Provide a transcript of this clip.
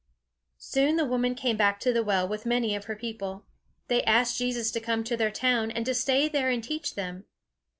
Soon the woman came back to the well with many of her people. They asked Jesus to come to their town, and to stay there and teach them.